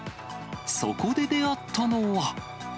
そこで出会ったのは。